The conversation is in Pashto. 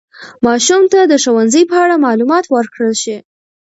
ماشوم ته د ښوونځي په اړه معلومات ورکړل شي.